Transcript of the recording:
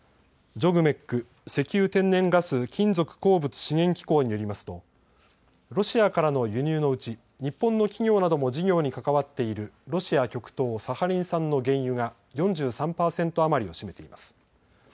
ＪＯＧＭＥＣ・石油天然ガス・金属鉱物資源機構によりますとロシアからの輸入のうち日本の企業なども事業に関わっているロシア極東サハリン産の原油が４３％余りを占めています。